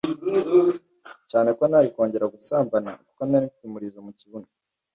cyane ko ntari kongera gusambana kuko narimfite umurizo mu kibuno